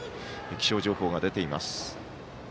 気象情報が出ています。